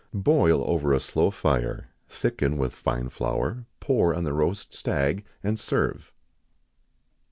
Boil over a slow fire, thicken with fine flour, pour on the roast stag, and serve.